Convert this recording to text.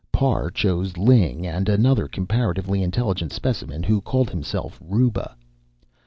Parr chose Ling and another comparatively intelligent specimen who called himself Ruba.